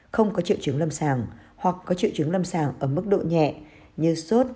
không có triệu chứng lâm sàng hoặc có triệu chứng lâm sàng ở mức độ nhẹ như sốt